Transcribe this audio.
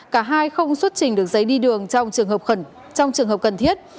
cả hai không xuất trình được giấy đi đường trong trường hợp cần thiết